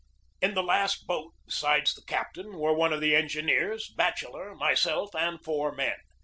In the last boat, besides the captain, were one of the engineers, Batcheller, myself, and four men.